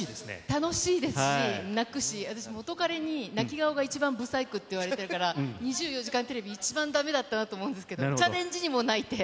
楽しいですし、泣くし、私、元カレに泣き顔が一番ぶさいくと言われてから、２４時間テレビ、一番だめだったなと思うんですけれども、チャレンジにも泣いて。